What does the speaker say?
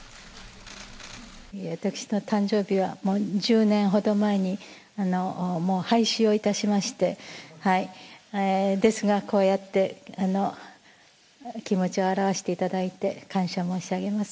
私の誕生日は、もう１０年ほど前にもう廃止をいたしまして、ですが、こうやってお気持ちを表していただいて、感謝申し上げます。